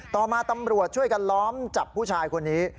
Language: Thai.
ต่อมาตำรวจช่วยกันล้อมจับผู้ชายคนนี้